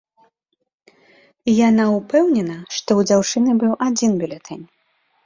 Яна ўпэўнена, што ў дзяўчыны быў адзін бюлетэнь.